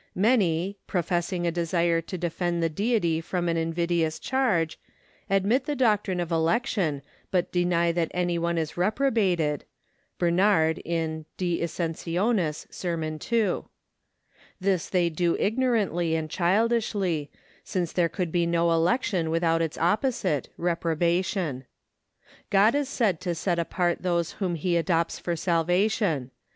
Many, professing a desire to defend the Deity from an invidious charge, admit the doctrine of election but deny that any one is reprobated (Bernard, in 'Die Ascensionis,' Serm. 2). This they do ignorantly and childishly, since there could be no election without its opposite, reprobation. God is said to set apart those whom he adopts for salvation.